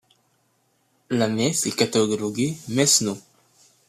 La messe est cataloguée Messe No.